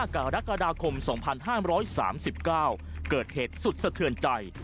กรกฎาคม๒๕๓๙เกิดเหตุสุดสะเทือนใจ